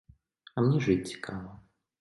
А мне жыць цікава.